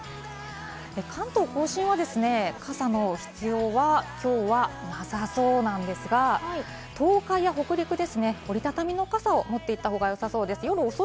関東甲信はですね、傘の必要は今日はなさそうなんですが、東海や北陸ですね、折り畳みの傘を持っていったほうがよさそうです。